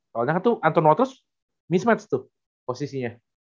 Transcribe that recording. soalnya kan tuh anton wathos mismatch tuh posisinya